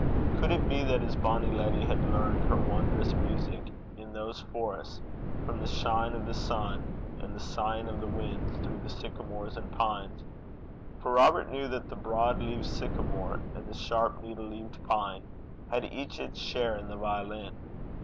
Could it be that his bonny lady had learned her wondrous music in those forests, from the shine of the sun, and the sighing of the winds through the sycamores and pines? For Robert knew that the broad leaved sycamore, and the sharp, needle leaved pine, had each its share in the violin.